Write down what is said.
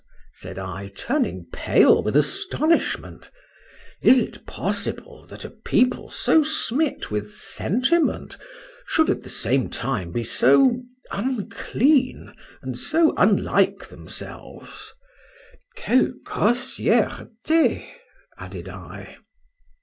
said I, turning pale with astonishment—is it possible, that a people so smit with sentiment should at the same time be so unclean, and so unlike themselves,—Quelle grossièrté! added I.